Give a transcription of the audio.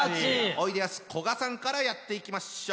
おいでやすこがさんからやっていきましょう。